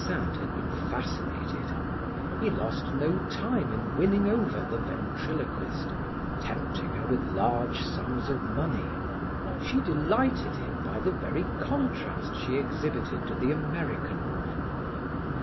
Des Esseintes had been fascinated. He lost no time in winning over the ventriloquist, tempting her with large sums of money. She delighted him by the very contrast she exhibited to the American woman.